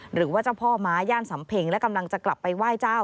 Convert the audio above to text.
หรือว่าเจ้าพ่อม้าย่านสำเพ็งและกำลังจะกลับไปไหว้เจ้า